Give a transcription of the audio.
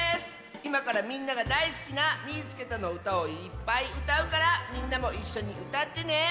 いまからみんながだいすきな「みいつけた！」のうたをいっぱいうたうからみんなもいっしょにうたってね！